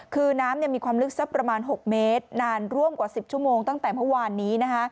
คือน้ำมีความลึกสักประมาณ๖เมตรนานร่วมกว่า๑๐ชั่วโมงตั้งแต่เมื่อวานนี้